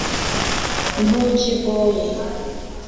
ntukigoye